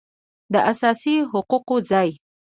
داساسي حقوقو ځای